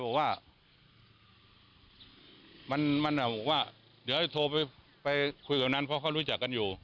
บอกว่าลุงก็เลยบอกว่าเดี๋ยวไปคุยกับนั้นเพราะเขารู้จักกันอยู่